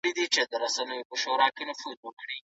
سعید په چټکۍ سره د دروازې خواته ورغی.